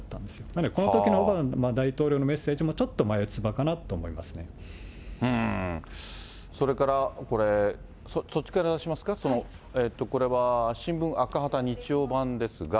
なので、このときのオバマ大統領のメッセージもちょっと眉唾かなと思いまそれからこれ、そっちからしますか、これは新聞赤旗日曜版ですが。